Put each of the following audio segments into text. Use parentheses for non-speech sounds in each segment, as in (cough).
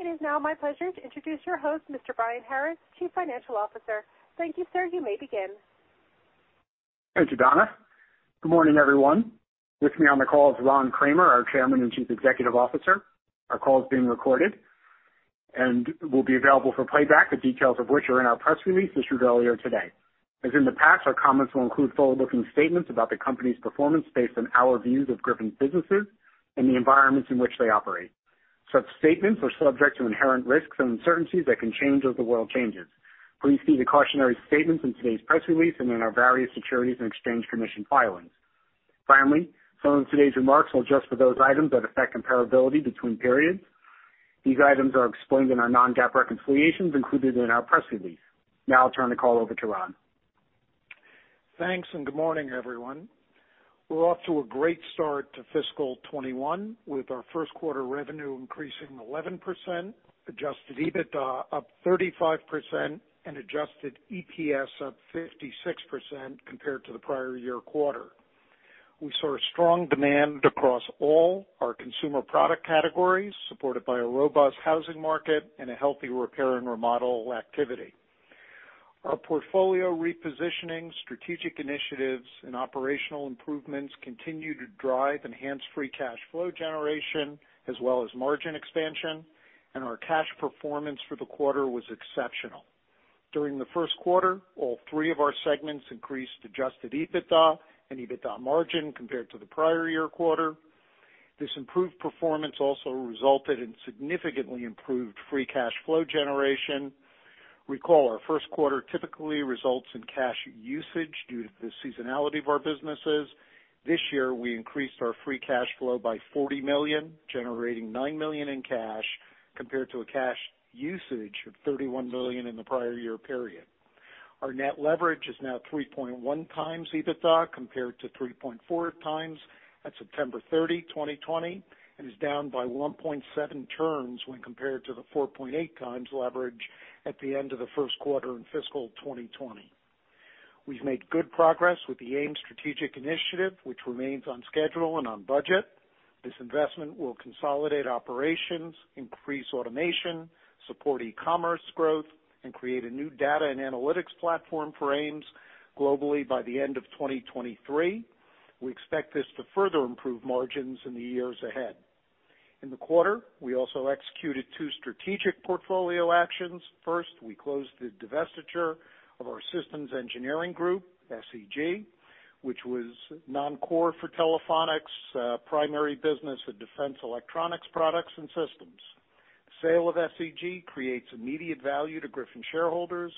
It is now my pleasure to introduce your host, Mr. Brian Harris, Chief Financial Officer. Thank you, sir. You may begin. Thank you, Donna. Good morning, everyone. With me on the call is Ron Kramer, our Chairman and Chief Executive Officer. Our call is being recorded and will be available for playback, the details of which are in our press release issued earlier today. As in the past, our comments will include forward-looking statements about the company's performance based on our views of Griffon's businesses and the environments in which they operate. Such statements are subject to inherent risks and uncertainties that can change as the world changes. Please see the cautionary statements in today's press release and in our various Securities and Exchange Commission filings. Finally, some of today's remarks will adjust for those items that affect comparability between periods. These items are explained in our non-GAAP reconciliations included in our press release. Now I'll turn the call over to Ron. Thanks, and good morning, everyone. We're off to a great start to fiscal 2021, with our first quarter revenue increasing 11%, adjusted EBITDA up 35%, and adjusted EPS up 56% compared to the prior year quarter. We saw strong demand across all our consumer product categories, supported by a robust housing market and a healthy repair and remodel activity. Our portfolio repositioning, strategic initiatives, and operational improvements continue to drive enhanced free cash flow generation as well as margin expansion, and our cash performance for the quarter was exceptional. During the first quarter, all three of our segments increased adjusted EBITDA and EBITDA margin compared to the prior year quarter. This improved performance also resulted in significantly improved free cash flow generation. Recall, our first quarter typically results in cash usage due to the seasonality of our businesses. This year, we increased our free cash flow by $40 million, generating $9 million in cash compared to a cash usage of $31 million in the prior year period. Our net leverage is now 3.1 times EBITDA compared to 3.4 times at September 30, 2020, and is down by 1.7 turns when compared to the 4.8 times leverage at the end of the first quarter in fiscal 2020. We've made good progress with the AMES strategic initiative, which remains on schedule and on budget. This investment will consolidate operations, increase automation, support e-commerce growth, and create a new data and analytics platform for AMES globally by the end of 2023. We expect this to further improve margins in the years ahead. In the quarter, we also executed two strategic portfolio actions. First, we closed the divestiture of our Systems Engineering Group, SEG, which was non-core for Telephonics' primary business of defense electronics products and systems. The sale of SEG creates immediate value to Griffon shareholders,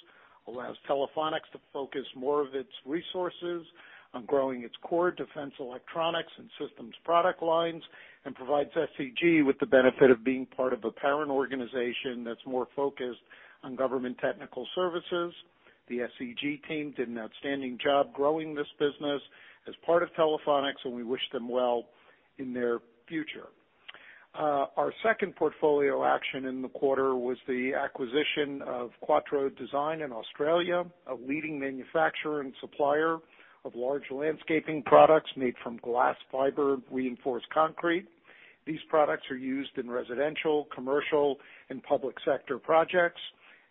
allows Telephonics to focus more of its resources on growing its core defense, electronics, and systems product lines, and provides SEG with the benefit of being part of a parent organization that's more focused on government technical services. The SEG team did an outstanding job growing this business as part of Telephonics, and we wish them well in their future. Our second portfolio action in the quarter was the acquisition of Quatro Design in Australia, a leading manufacturer and supplier of large landscaping products made from glass fiber-reinforced concrete. These products are used in residential, commercial, and public sector projects,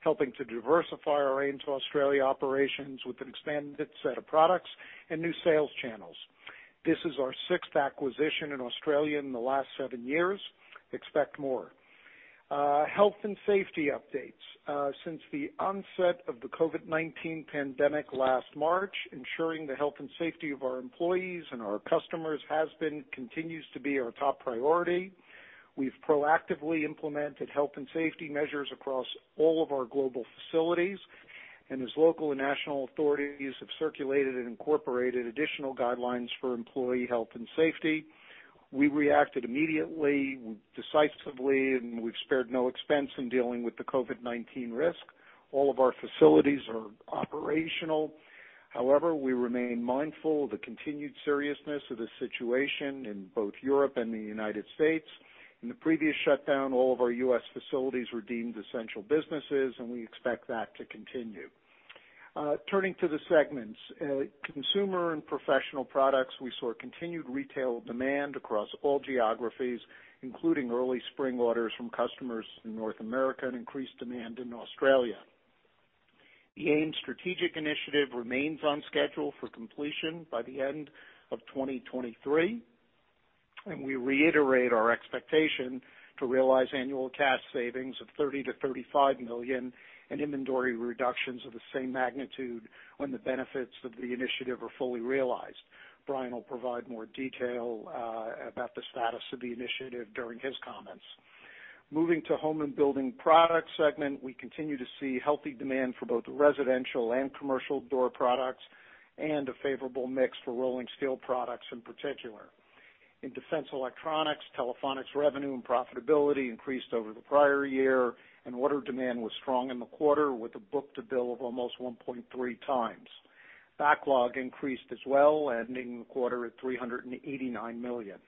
helping to diversify our AMES Australia operations with an expanded set of products and new sales channels. This is our sixth acquisition in Australia in the last seven years. Expect more. Health and safety updates. Since the onset of the COVID-19 pandemic last March, ensuring the health and safety of our employees and our customers has been continues to be our top priority. We've proactively implemented health and safety measures across all of our global facilities. And as local and national authorities have circulated and incorporated additional guidelines for employee health and safety, we reacted immediately, decisively, and we've spared no expense in dealing with the COVID-19 risk. All of our facilities are operational. However, we remain mindful of the continued seriousness of the situation in both Europe and the U.S. In the previous shutdown, all of our U.S. facilities were deemed essential businesses. We expect that to continue. Turning to the segments. Consumer and Professional Products, we saw continued retail demand across all geographies, including early spring orders from customers in North America and increased demand in Australia. The AMES strategic initiative remains on schedule for completion by the end of 2023. We reiterate our expectation to realize annual cash savings of $30 million-$35 million and inventory reductions of the same magnitude when the benefits of the initiative are fully realized. Brian will provide more detail about the status of the initiative during his comments. Moving to Home and Building Products Segment, we continue to see healthy demand for both residential and commercial door products and a favorable mix for rolling steel products in particular. In Defense Electronics, Telephonics revenue and profitability increased over the prior year. Order demand was strong in the quarter with a book-to-bill of almost 1.3 times. Backlog increased as well, ending the quarter at $389 million.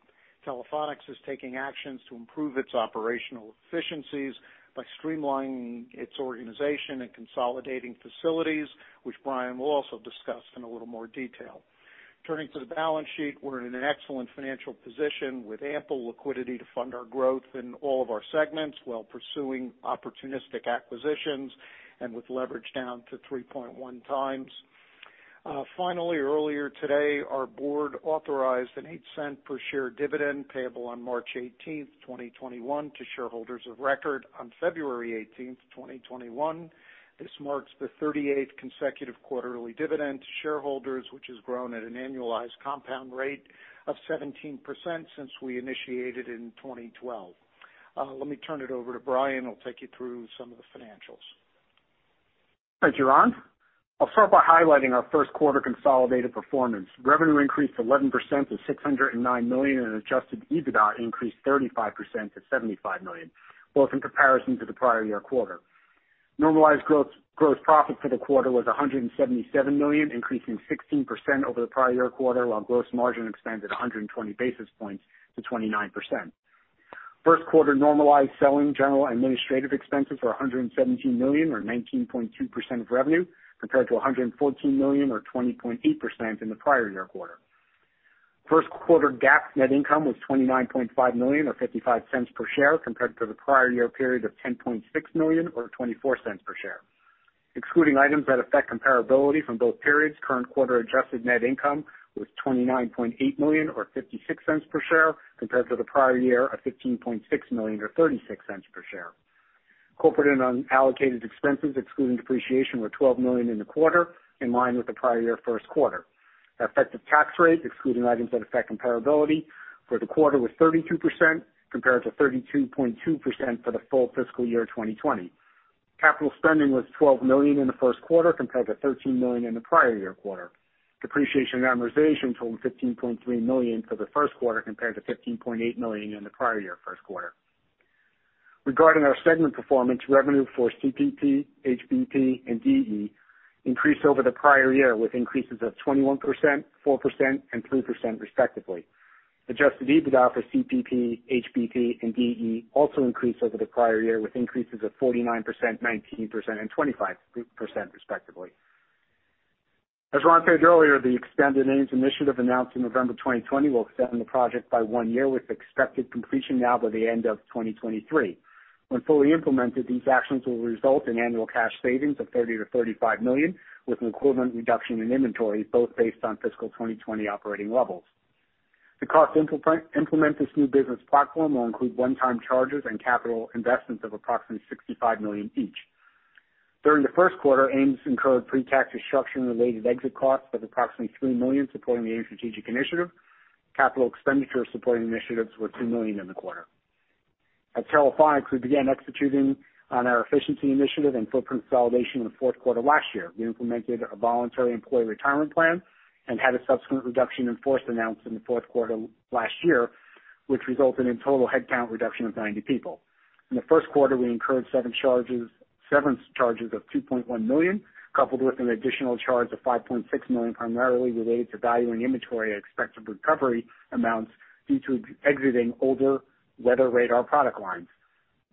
Telephonics is taking actions to improve its operational efficiencies by streamlining its organization and consolidating facilities, which Brian will also discuss in a little more detail. Turning to the balance sheet, we're in an excellent financial position with ample liquidity to fund our growth in all of our segments while pursuing opportunistic acquisitions and with leverage down to 3.1 times. Finally, earlier today, our board authorized an $0.08 per share dividend payable on March 18th, 2021 to shareholders of record on February 18th, 2021. This marks the 38th consecutive quarterly dividend to shareholders, which has grown at an annualized compound rate of 17% since we initiated in 2012. Let me turn it over to Brian, who will take you through some of the financials. Thanks, Ron. I'll start by highlighting our first quarter consolidated performance. Revenue increased 11% to $609 million, and adjusted EBITDA increased 35% to $75 million, both in comparison to the prior-year quarter. Normalized gross profit for the quarter was $177 million, increasing 16% over the prior-year quarter, while gross margin expanded 120 basis points to 29%. First quarter normalized Selling, General and Administrative Expenses were $117 million or 19.2% of revenue, compared to $114 million or 20.8% in the prior-year quarter. First quarter GAAP net income was $29.5 million or $0.55 per share, compared to the prior-year period of $10.6 million or $0.24 per share. Excluding items that affect comparability from both periods, current quarter adjusted net income was $29.8 million or $0.56 per share compared to the prior-year of $15.6 million or $0.36 per share. Corporate and unallocated expenses excluding depreciation were $12 million in the quarter, in line with the prior year first quarter. The effective tax rate, excluding items that affect comparability, for the quarter was 32%, compared to 32.2% for the full fiscal year 2020. Capital spending was $12 million in the first quarter compared to $13 million in the prior year quarter. Depreciation and amortization totaled $15.3 million for the first quarter compared to $15.8 million in the prior year first quarter. Regarding our segment performance, revenue for CPP, HBP and DE increased over the prior year with increases of 21%, 4% and 3%, respectively. Adjusted EBITDA for CPP, HBP and DE also increased over the prior year, with increases of 49%, 19% and 25%, respectively. As Ron said earlier, the expanded AMES initiative announced in November 2020 will extend the project by one year with expected completion now by the end of 2023. When fully implemented, these actions will result in annual cash savings of $30 million-$35 million, with an equivalent reduction in inventory both based on fiscal 2020 operating levels. The cost to implement this new business platform will include one-time charges and capital investments of approximately $65 million each. During the first quarter, AMES incurred pre-tax restructuring related exit costs of approximately $3 million supporting the AMES strategic initiative. Capital expenditures supporting initiatives were $2 million in the quarter. At Telephonics, we began executing on our efficiency initiative and footprint consolidation in the fourth quarter last year. We implemented a voluntary employee retirement plan and had a subsequent reduction in force announced in the fourth quarter last year which resulted in total headcount reduction of 90 people. In the first quarter, we incurred severance charges of $2.1 million, coupled with an additional charge of $5.6 million, primarily related to valuing inventory at expected recovery amounts due to exiting older weather radar product lines.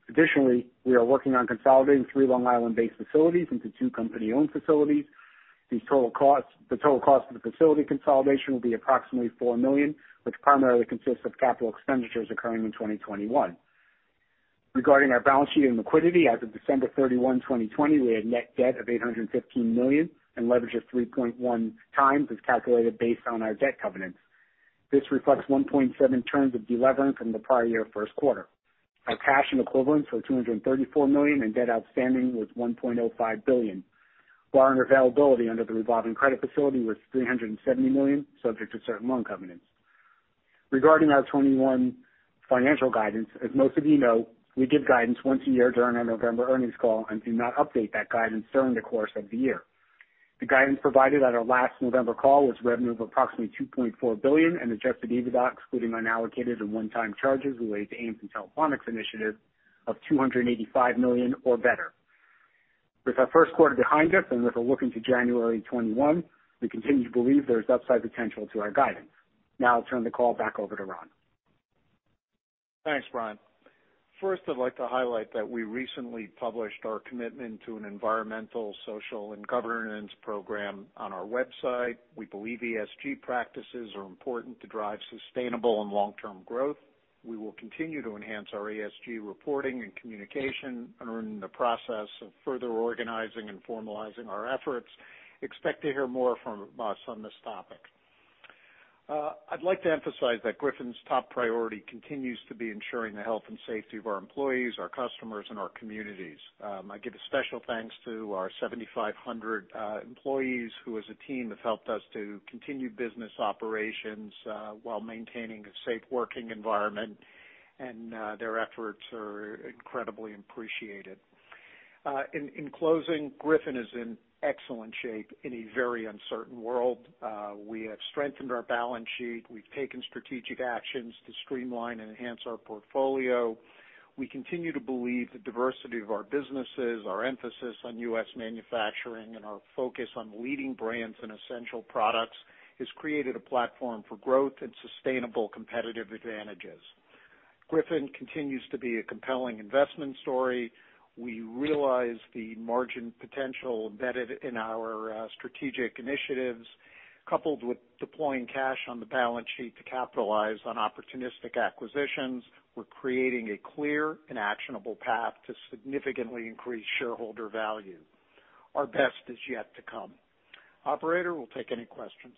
Additionally, we are working on consolidating three Long Island-based facilities into two company-owned facilities. The total cost of the facility consolidation will be approximately $4 million which primarily consists of capital expenditures occurring in 2021. Regarding our balance sheet and liquidity, as of December 31, 2020 we had net debt of $815 million and leverage of 3.1 times as calculated based on our debt covenants. This reflects 1.7 turns of deleveraging from the prior year first quarter. Our cash and equivalents were $234 million and debt outstanding was $1.05 billion, while our availability under the revolving credit facility was $370 million, subject to certain loan covenants. Regarding our 2021 financial guidance, as most of you know, we give guidance once a year during our November earnings call and do not update that guidance during the course of the year. The guidance provided at our last November call was revenue of approximately $2.4 billion and adjusted EBITDA, excluding unallocated and one-time charges related to AMES and Telephonics initiatives of $285 million or better. With our first quarter behind us and with a look into January 2021, we continue to believe there's upside potential to our guidance. Now I'll turn the call back over to Ron. Thanks, Brian. First, I'd like to highlight that we recently published our commitment to an environmental, social, and governance program on our website. We believe ESG practices are important to drive sustainable and long-term growth. We will continue to enhance our ESG reporting and communication and are in the process of further organizing and formalizing our efforts. Expect to hear more from us on this topic. I'd like to emphasize that Griffon's top priority continues to be ensuring the health and safety of our employees, our customers, and our communities. I give a special thanks to our 7,500 employees who, as a team, have helped us to continue business operations while maintaining a safe working environment, and their efforts are incredibly appreciated. In closing, Griffon is in excellent shape in a very uncertain world. We have strengthened our balance sheet. We've taken strategic actions to streamline and enhance our portfolio. We continue to believe the diversity of our businesses, our emphasis on U.S. manufacturing, and our focus on leading brands and essential products has created a platform for growth and sustainable competitive advantages. Griffon continues to be a compelling investment story. We realize the margin potential embedded in our strategic initiatives, coupled with deploying cash on the balance sheet to capitalize on opportunistic acquisitions. We're creating a clear and actionable path to significantly increase shareholder value. Our best is yet to come. Operator, we'll take any questions.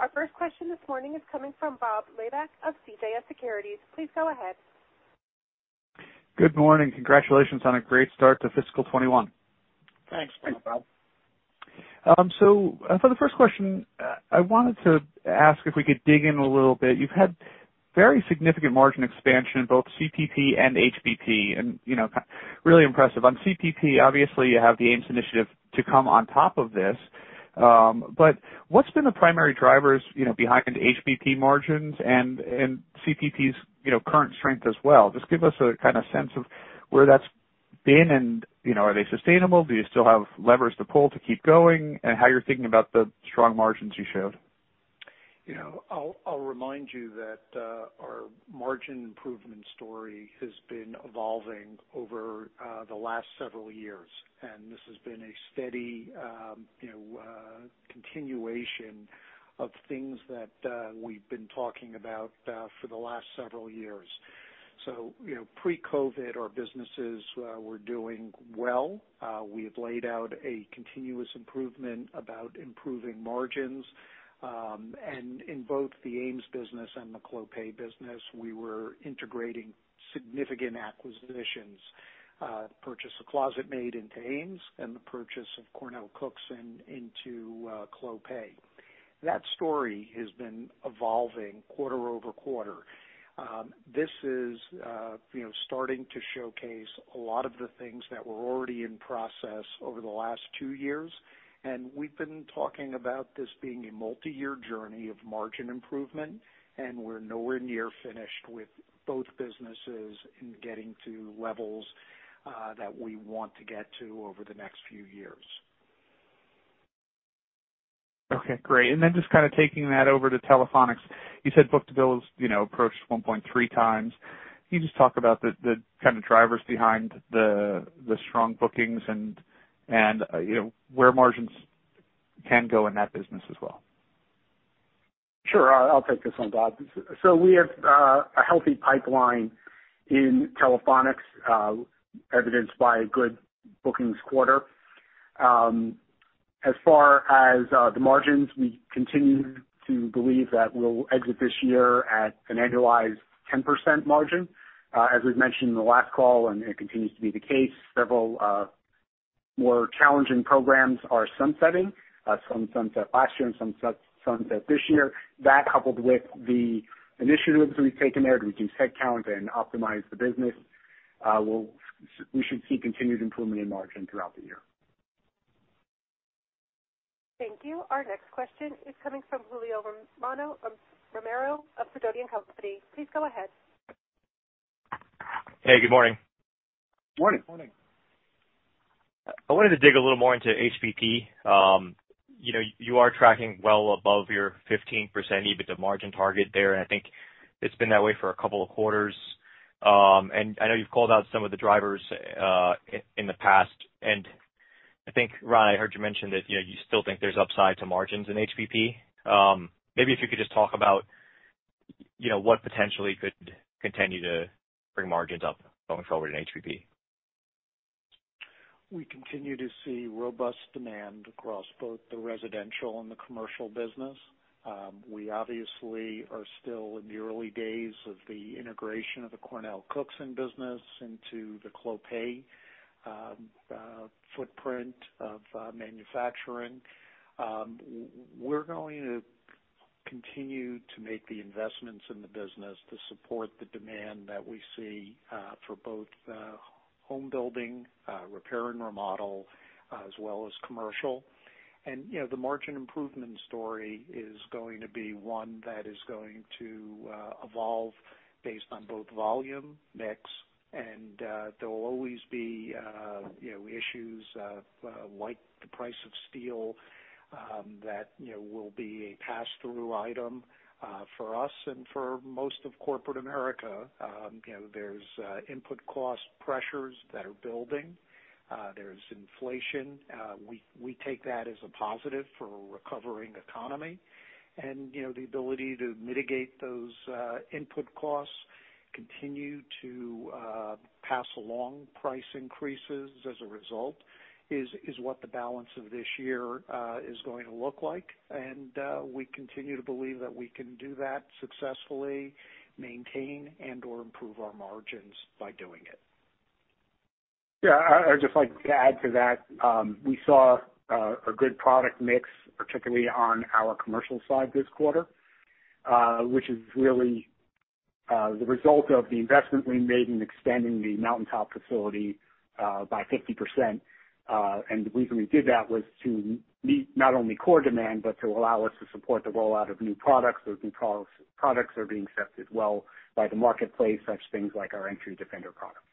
Our first question this morning is coming from Bob Labick of CJS Securities. Please go ahead. Good morning. Congratulations on a great start to fiscal 2021. Thanks, Bob. For the first question, I wanted to ask if we could dig in a little bit. You've had very significant margin expansion in both CPP and HBP, and really impressive. On CPP, obviously, you have the AMES initiative to come on top of this. What's been the primary drivers behind HBP margins and CPP's current strength as well? Just give us a kind of sense of where that's been and are they sustainable? Do you still have levers to pull to keep going and how you're thinking about the strong margins you showed? I'll remind you that our margin improvement story has been evolving over the last several years, this has been a steady continuation of things that we've been talking about for the last several years. Pre-COVID, our businesses were doing well. We have laid out a continuous improvement about improving margins. In both the AMES business and the Clopay business, we were integrating significant acquisitions, the purchase of ClosetMaid into AMES, and the purchase of CornellCookson into Clopay. That story has been evolving quarter over quarter. This is starting to showcase a lot of the things that were already in process over the last two years, we've been talking about this being a multi-year journey of margin improvement, we're nowhere near finished with both businesses in getting to levels that we want to get to over the next few years. Okay, great. Just kind of taking that over to Telephonics, you said book-to-bill has approached 1.3 times. Can you just talk about the kind of drivers behind the strong bookings and where margins can go in that business as well? Sure. I'll take this one, Bob Labick. We have a healthy pipeline in Telephonics, evidenced by a good bookings quarter. As far as the margins, we continue to believe that we'll exit this year at an annualized 10% margin. As we've mentioned in the last call, and it continues to be the case, several more challenging programs are sunsetting. Some sunset last year, and some sunset this year. That, coupled with the initiatives that we've taken there to reduce head count and optimize the business, we should see continued improvement in margin throughout the year. Thank you. Our next question is coming from Julio Romero of Sidoti & Company. Please go ahead. Hey, good morning. Morning. I wanted to dig a little more into HBP. You are tracking well above your 15% EBITDA margin target there, and I think it's been that way for a couple of quarters. I know you've called out some of the drivers in the past, and I think, Ron, I heard you mention that you still think there's upside to margins in HBP. Maybe if you could just talk about what potentially could continue to bring margins up going forward in HBP. We continue to see robust demand across both the residential and the commercial business. We obviously are still in the early days of the integration of the CornellCookson business into the Clopay footprint of manufacturing. We're going to continue to make the investments in the business to support the demand that we see for both home building, repair and remodel, as well as commercial. The margin improvement story is going to be one that is going to evolve based on both volume, mix, and there will always be issues like the price of steel that will be a pass-through item for us and for most of corporate America. There's input cost pressures that are building. There's inflation. We take that as a positive for a recovering economy, and the ability to mitigate those input costs continue to pass along price increases as a result is what the balance of this year is going to look like. We continue to believe that we can do that successfully, maintain and/or improve our margins by doing it. I would just like to add to that. We saw a good product mix, particularly on our commercial side this quarter, which is really the result of the investment we made in extending the Mountain Top facility by 50%. The reason we did that was to meet not only core demand, but to allow us to support the rollout of new products. Those new products are being accepted well by the marketplace, such things like our EntryDefender product.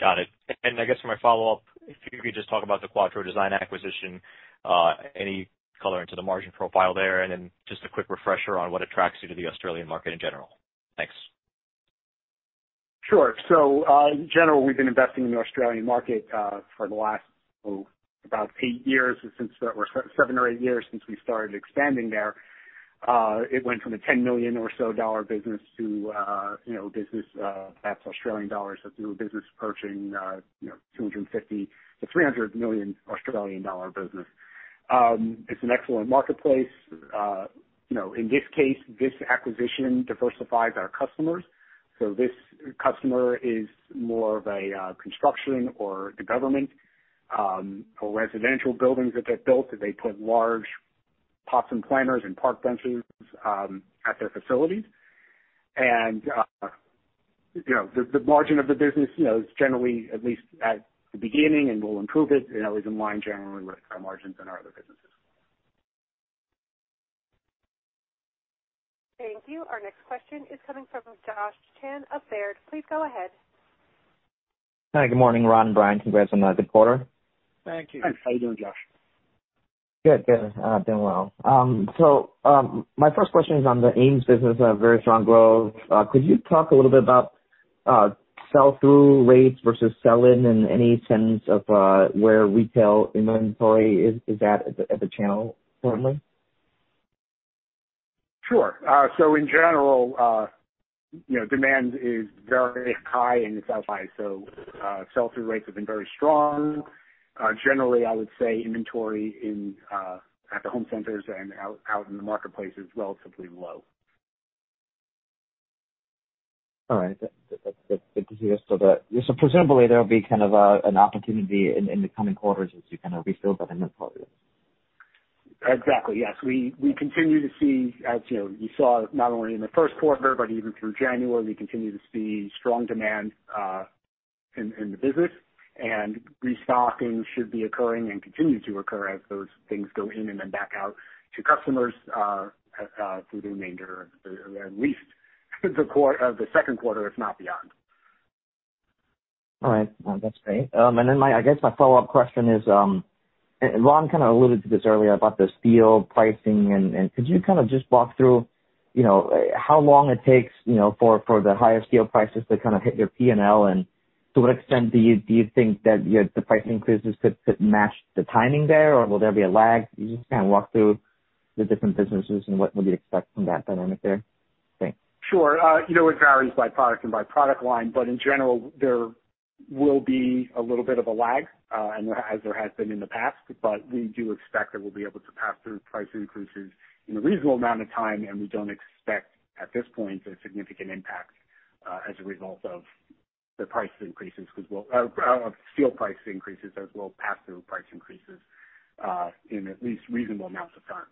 Got it. I guess for my follow-up, if you could just talk about the Quatro Design acquisition, any color into the margin profile there, and then just a quick refresher on what attracts you to the Australian market in general. Thanks. Sure. In general, we've been investing in the Australian market for the last, oh, about eight years, or seven or eight years since we started expanding there. It went from a $10 million or so business to perhaps AUD, a new business approaching 250 million-300 million Australian dollar AUD business. It's an excellent marketplace. In this case, this acquisition diversifies our customers. This customer is more of a construction or the government, or residential buildings that get built that they put large pots and planters and park benches at their facilities. The margin of the business is generally, at least at the beginning, and we'll improve it, is in line generally with our margins in our other businesses. Thank you. Our next question is coming from Josh Chan of Baird. Please go ahead. Hi. Good morning, Ron, Brian. Congrats on the good quarter. Thank you. Thanks. How you doing, Josh? Good. Doing well. My first question is on the AMES business, a very strong growth. Could you talk a little bit about sell-through rates versus sell-in and any sense of where retail inventory is at the channel currently? Sure. In general, demand is very high and it's outsized. Sell-through rates have been very strong. Generally, I would say inventory at the home centers and out in the marketplace is relatively low. All right. That's good to hear. Presumably there'll be kind of an opportunity in the coming quarters as you kind of refill that inventory. Exactly, yes. We continue to see as you saw not only in the first quarter but even through January, we continue to see strong demand in the business, and restocking should be occurring and continue to occur as those things go in and then back out to customers through the remainder, or at least the second quarter, if not beyond. All right. No, that's great. I guess my follow-up question is, Ron kind of alluded to this earlier about the steel pricing and could you kind of just walk through how long it takes for the higher steel prices to kind of hit your P&L, and to what extent do you think that the price increases could match the timing there or will there be a lag? Can you just walk through the different businesses and what we'd expect from that dynamic there? Thanks. Sure. It varies by product and by product line, but in general there will be a little bit of a lag, as there has been in the past, but we do expect that we'll be able to pass through price increases in a reasonable amount of time, and we don't expect at this point a significant impact as a result of the price increases, of steel price increases, as we'll pass through price increases in at least reasonable amounts of time.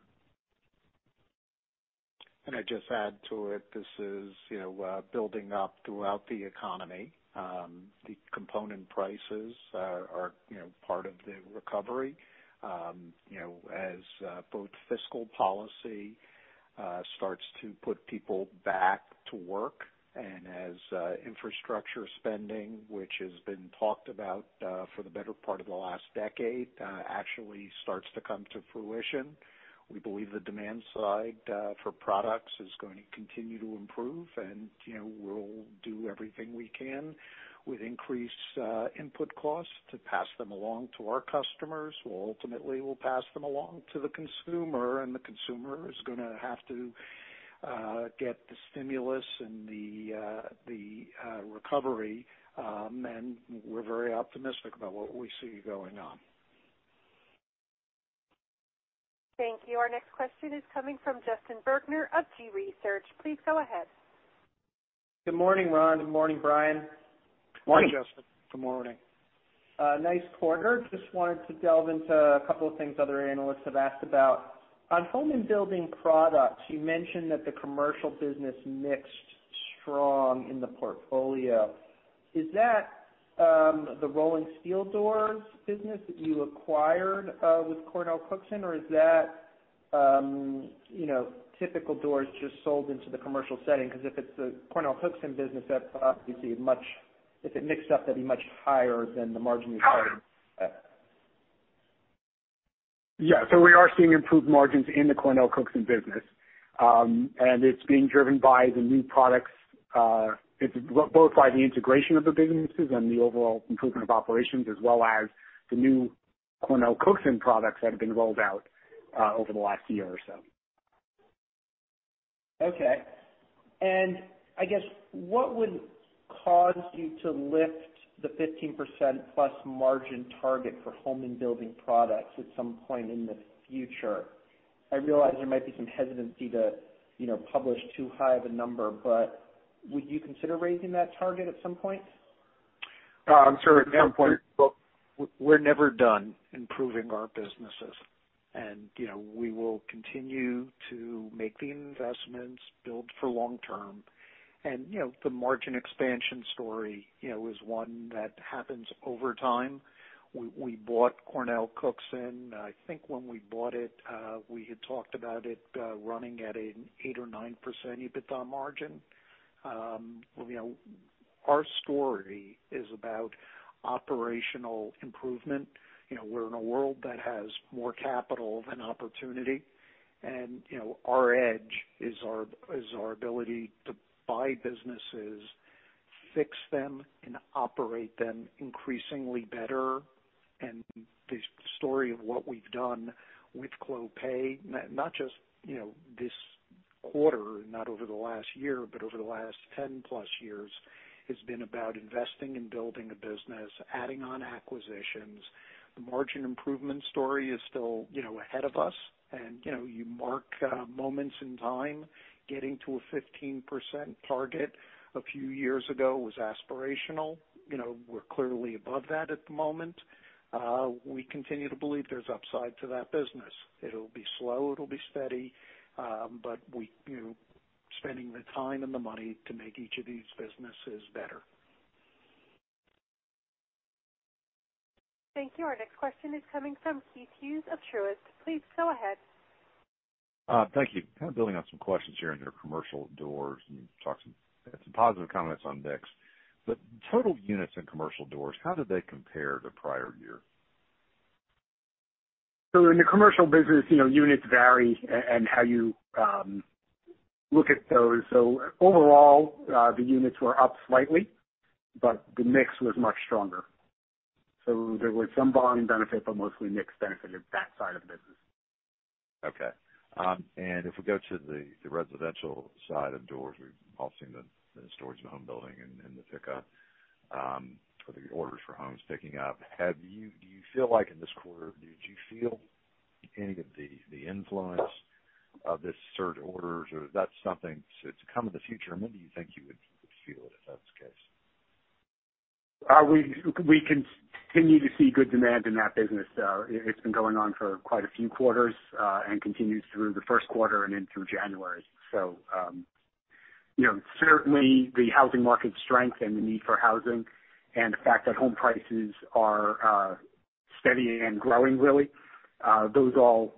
Can I just add to it, this is building up throughout the economy. The component prices are part of the recovery. As both fiscal policy starts to put people back to work and as infrastructure spending, which has been talked about for the better part of the last decade actually starts to come to fruition. We believe the demand side for products is going to continue to improve, and we'll do everything we can with increased input costs to pass them along to our customers who ultimately will pass them along to the consumer, and the consumer is going to have to get the stimulus and the recovery, and we're very optimistic about what we see going on. Thank you. Our next question is coming from Justin Bergner of G.research. Please go ahead. Good morning, Ron. Good morning, Brian. Morning, Justin. Good morning. Nice quarter. Just wanted to delve into a couple of things other analysts have asked about. On Home and Building Products, you mentioned that the commercial business mixed strong in the portfolio. Is that the rolling steel doors business that you acquired with CornellCookson or is that typical doors just sold into the commercial setting? If it's the CornellCookson business, if it mixed up, that'd be much higher than the margin you quoted. Yeah. We are seeing improved margins in the CornellCookson business. It's being driven by the new products. It's both by the integration of the businesses and the overall improvement of operations, as well as the new CornellCookson products that have been rolled out over the last year or so. Okay. I guess, what would cause you to lift the 15% plus margin target for Home and Building Products at some point in the future? I realize there might be some hesitancy to publish too high of a number. Would you consider raising that target at some point? I'm sure at some point. (crosstalk) Look, we're never done improving our businesses, and we will continue to make the investments, build for long term. The margin expansion story is one that happens over time. We bought CornellCookson. I think when we bought it, we had talked about it running at an 8% or 9% EBITDA margin. Our story is about operational improvement. We're in a world that has more capital than opportunity, and our edge is our ability to buy businesses, fix them, and operate them increasingly better. The story of what we've done with Clopay, not just this quarter, not over the last year, but over the last 10 plus years, has been about investing in building a business, adding on acquisitions. The margin improvement story is still ahead of us. You mark moments in time. Getting to a 15% target a few years ago was aspirational. We're clearly above that at the moment. We continue to believe there's upside to that business. It'll be slow, it'll be steady. We're spending the time and the money to make each of these businesses better. Thank you. Our next question is coming from Keith Hughes of Truist. Please go ahead. Thank you. Kind of building on some questions here in your commercial doors and you had some positive comments on decks. Total units in commercial doors, how did they compare to prior year? In the commercial business, units vary and how you look at those. Overall, the units were up slightly but the mix was much stronger. There was some volume benefit, but mostly mix benefit in that side of the business. Okay. If we go to the residential side of doors, we've all seen the storage and home building and the orders for homes picking up. Do you feel like in this quarter, did you feel any of the influence of this surge of orders or that's something to come in the future? When do you think you would feel it if that's the case? We continue to see good demand in that business. It's been going on for quite a few quarters and continues through the first quarter and into January. Certainly the housing market strength and the need for housing and the fact that home prices are steady and growing really, those all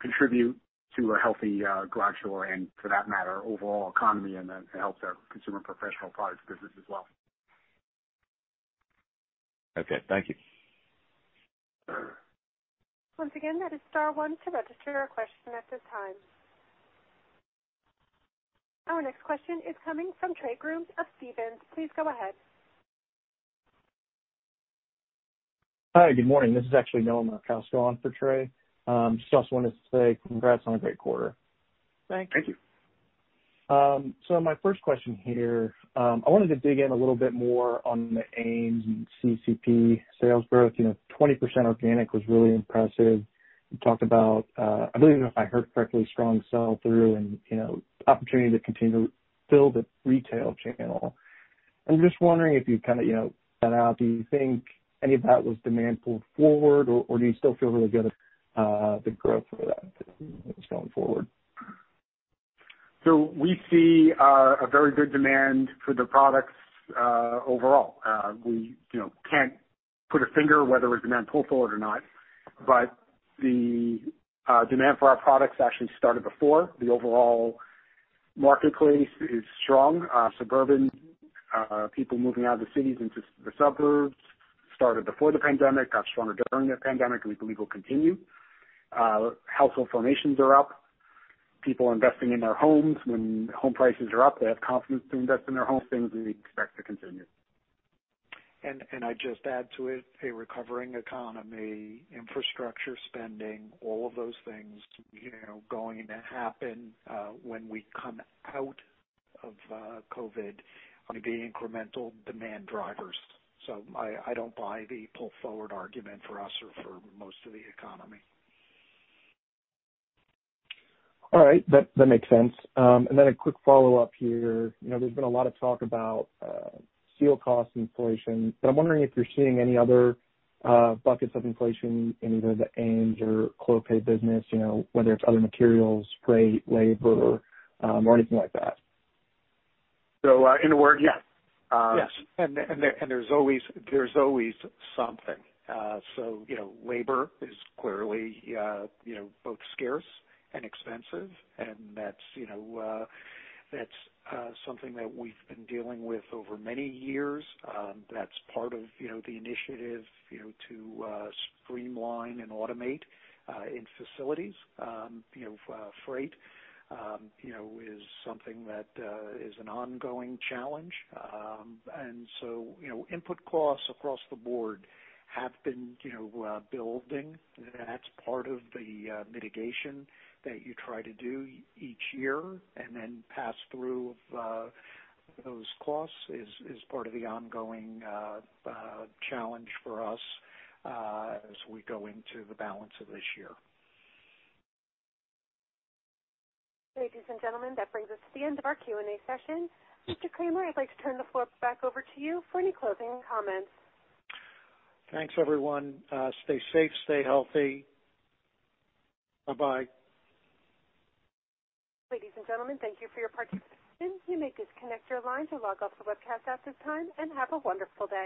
contribute to a healthy Clopay door and for that matter, overall economy and it helps our Consumer and Professional Products business as well. Okay. Thank you. Once again, that is star one to register your question at this time. Our next question is coming from Trey Grooms of Stephens. Please go ahead. Hi. Good morning. This is actually Noah Merkousko on for Trey. Just wanted to say congrats on a great quarter. Thank you. My first question here. I wanted to dig in a little bit more on the AMES and CPP sales growth. 20% organic was really impressive. You talked about, I believe, and if I heard correctly, strong sell-through and opportunity to continue to fill the retail channel. I'm just wondering if you kind of cut that out, do you think any of that was demand pulled forward or do you still feel really good the growth for that going forward? We see a very good demand for the products overall. We can't put a finger whether it was demand pull forward or not, but the demand for our products actually started before. The overall marketplace is strong. Suburban people moving out of the cities into the suburbs started before the pandemic, got stronger during the pandemic, and we believe will continue. Household formations are up. People are investing in their homes. When home prices are up, they have confidence to invest in their homes. Things we expect to continue. And I just add to it, a recovering economy, infrastructure spending, all of those things going to happen when we come out of COVID are going to be incremental demand drivers. I don't buy the pull forward argument for us or for most of the economy. All right. That makes sense. A quick follow-up here. There has been a lot of talk about steel cost inflation, I am wondering if you are seeing any other buckets of inflation in either the AMES or Clopay business, whether it is other materials, freight, labor, or anything like that. In a word, yes. Yes. There's always something. Labor is clearly both scarce and expensive and that's something that we've been dealing with over many years. That's part of the initiative to streamline and automate in facilities. Freight is something that is an ongoing challenge. Input costs across the board have been building. That's part of the mitigation that you try to do each year and then pass through of those costs is part of the ongoing challenge for us as we go into the balance of this year. Ladies and gentlemen, that brings us to the end of our Q&A session. Mr. Kramer, I'd like to turn the floor back over to you for any closing comments. Thanks, everyone. Stay safe, stay healthy. Bye-bye. Ladies and gentlemen, thank you for your participation. You may disconnect your line to log off the webcast at this time, and have a wonderful day.